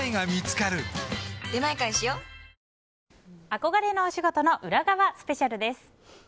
憧れのお仕事の裏側スペシャルです。